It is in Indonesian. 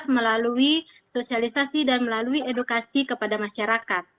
melalui sosialisasi dan melalui edukasi kepada masyarakat